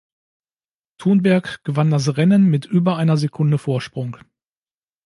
Thunberg gewann das Rennen mit über einer Sekunde Vorsprung.